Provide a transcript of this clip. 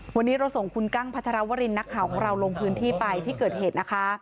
วันนี้เราส่งคุณกั้งพัชรวรินนักข่าวของเราลงพื้นที่ไปที่เกิดเหตุนะคะ